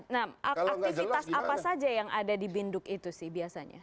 nah aktivitas apa saja yang ada di binduk itu sih biasanya